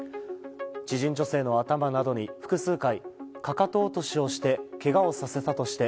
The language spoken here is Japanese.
知人女性の頭などに複数回かかと落としをしてけがをさせたとして